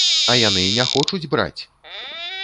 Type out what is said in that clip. А яны не хочуць браць!